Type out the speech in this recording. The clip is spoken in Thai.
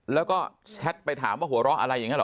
แล้วก็แชทไปถามว่าหัวเราะอะไรอย่างนี้หรอ